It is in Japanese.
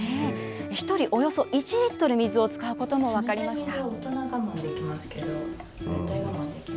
１人およそ１リットル、水を使うことも分かりました。